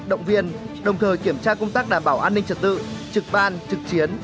động viên đồng thời kiểm tra công tác đảm bảo an ninh trật tự trực ban trực chiến